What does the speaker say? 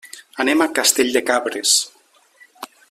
Anem a Castell de Cabres.